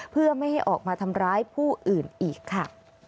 เพื่อไม่ให้ออกมาทำร้ายผู้อื่นอีกค่ะ